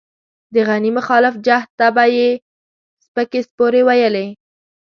د غني مخالف جهت ته به يې سپکې سپورې ويلې.